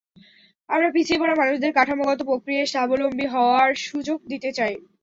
আমরা পিছিয়ে পড়া মানুষদের কাঠামোগত প্রক্রিয়ায় স্বাবলম্বী হওয়ার সুযোগ দিতে চাই।